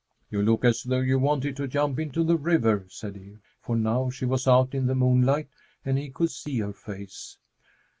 "You look as though you wanted to jump into the river," said he; for now she was out in the moonlight and he could see her face.